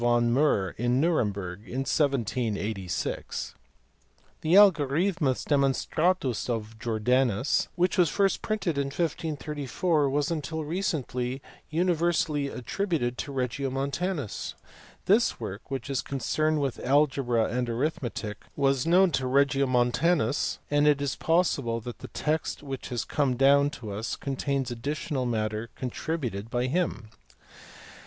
von Murr at Nuremberg in 1786. The Alyorithmus Demonstratus of Jordanus (see above, p. 176), which was first printed in 1534, was until recently uni versally attributed to Regiomontanus. This work, which is concerned with algebra and arithmetic, was known to Regio montanus and it is possible that the text which has come down to us contains additional matter contributed by him.